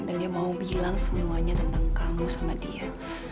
dan dia mau bilang semuanya tentang kamu sama dia